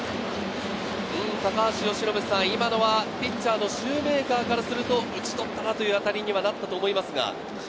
高橋由伸さん、今のはピッチャーのシューメーカーからすると、打ち取ったなという当たりにはなったと思いますが。